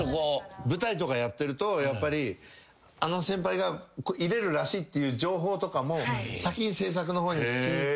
舞台とかやってるとやっぱりあの先輩が入れるらしいっていう情報とかも先に制作の方に聞いて。